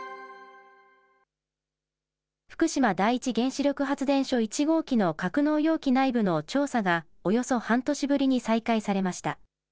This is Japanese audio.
福島第一原子力発電所１号機の格納容器内部の調査が、およそ半年ぶりに再開されました。